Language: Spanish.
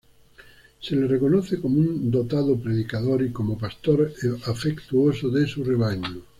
Se le reconoce como un dotado predicador y como pastor afectuoso de su rebaño.